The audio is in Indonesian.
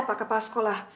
pak kepala sekolah